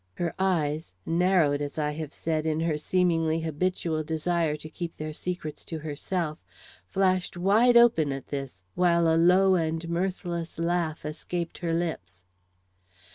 Her eyes, narrowed, as I have said, in her seemingly habitual desire to keep their secrets to herself, flashed wide open at this, while a low and mirthless laugh escaped her lips.